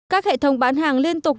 các hệ thống bán hàng liên tục